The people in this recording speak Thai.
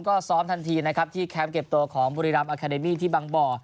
ก็ซ้อมทันทีนะครับที่แคมป์เก็บตัวของบุรีรำอาคาเดมี่ที่บางบ่อ